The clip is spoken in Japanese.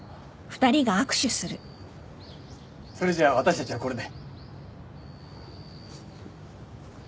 それじゃ私たちはこれで。